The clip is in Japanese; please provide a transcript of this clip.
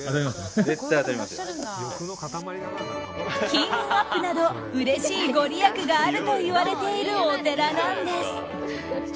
金運アップなどうれしいご利益があるといわれているお寺なんです。